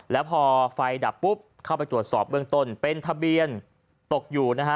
แล้วพอไฟดับปุ๊บเข้าไปตรวจสอบเบื้องต้นเป็นทะเบียนตกอยู่นะฮะ